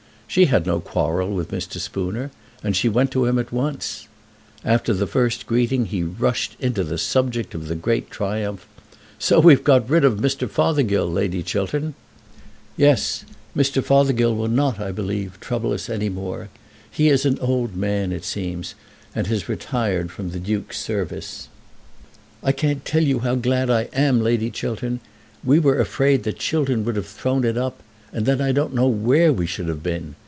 She had no quarrel with Mr. Spooner, and she went to him at once. After the first greeting he rushed into the subject of the great triumph. "So we've got rid of Mr. Fothergill, Lady Chiltern." "Yes; Mr. Fothergill will not, I believe, trouble us any more. He is an old man, it seems, and has retired from the Duke's service." "I can't tell you how glad I am, Lady Chiltern. We were afraid that Chiltern would have thrown it up, and then I don't know where we should have been.